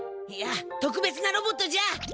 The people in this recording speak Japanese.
いやとくべつなロボットじゃ！